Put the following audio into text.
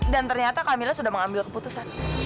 ternyata kamila sudah mengambil keputusan